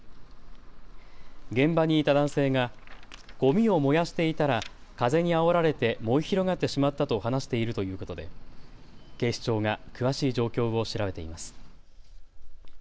現場にいた男性がごみを燃やしていたら風にあおられて燃え広がってしまったと話しているということで警視庁が詳しい状況を調べています。